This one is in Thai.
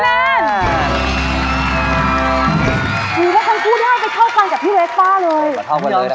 ดูว่าค่อนข้างที่ให้ไปเท่ากันกับพี่เวสป้าเลย